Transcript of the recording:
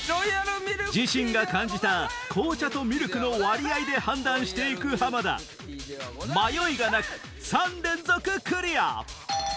自身が感じた紅茶とミルクの割合で判断して行く浜田迷いがなく３連続クリア！